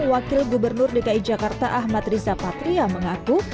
wakil gubernur dki jakarta ahmad riza patria mengaku